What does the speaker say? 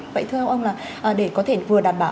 vậy thưa ông là để có thể vừa đảm bảo